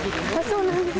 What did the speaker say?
そうなんです。